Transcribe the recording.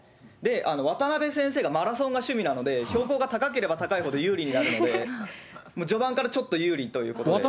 渡辺先生がマラソンが趣味なので、標高が高ければ高いほど有利になるので、序盤からちょっと有利ということで。